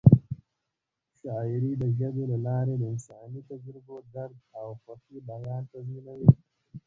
شاعري د ژبې له لارې د انساني تجربو، درد او خوښۍ بیان تضمینوي.